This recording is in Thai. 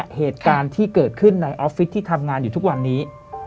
เหตุการณ์ที่เกิดขึ้นในออฟฟิศที่ทำงานอยู่ทุกวันนี้